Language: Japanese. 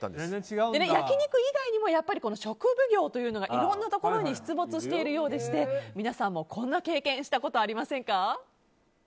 焼肉以外にも食奉行というのがいろんなところに出没しているようでして皆さんもこんな経験したことありませんか？